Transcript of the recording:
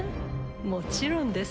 もちろんです。